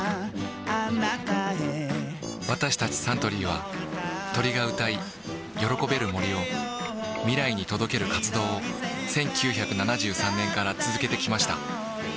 私たちサントリーは鳥が歌い喜べる森を未来に届ける活動を１９７３年から続けてきました